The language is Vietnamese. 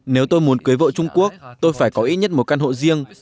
nếu tôi muốn cưới vợ trung quốc tôi phải có ít nhất một căn hộ riêng